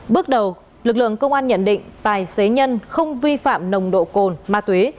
bước đầu lực lượng công an nhận định tài xế nhân không vi phạm nồng độ cồn ma túy